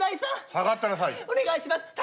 下がってなさい。